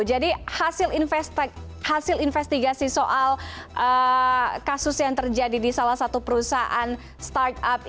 jadi hasil investigasi soal kasus yang terjadi di salah satu perusahaan startup ini